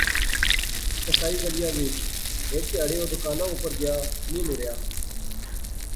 قصائی گلیا وچ، ہیک تہاڑے او دکانا اپر گیا، نی مڑیا